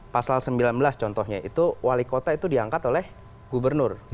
pasal sembilan belas contohnya itu wali kota itu diangkat oleh gubernur